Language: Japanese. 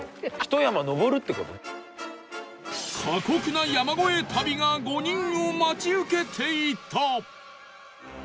過酷な山越え旅が５人を待ち受けていた